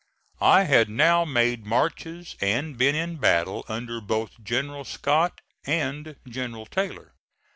I had now made marches and been in battle under both General Scott and General Taylor.